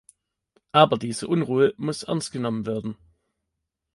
Aber diese Unruhe muss ernst genommen werden.